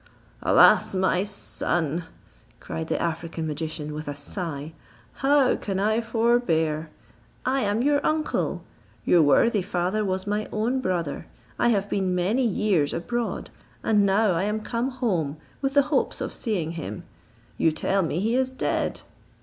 "Alas! my son," cried the African magician with a sigh, "how can I forbear? "I am your uncle; your worthy father was my own brother. I have been many years abroad, and now I am come home with the hopes of seeing him, you tell me he is dead.